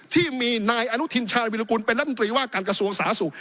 ที่มีนายอนุทินชาญวิรากุลเป็นรัฐมนตรีว่าการกระทรวงสาธารณสุข